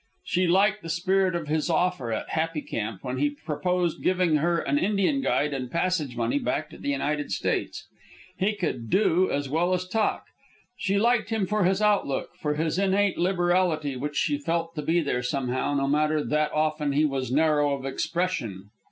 She liked the spirit of his offer at Happy Camp, when he proposed giving her an Indian guide and passage money back to the United States. He could do as well as talk. She liked him for his outlook, for his innate liberality, which she felt to be there, somehow, no matter that often he was narrow of expression.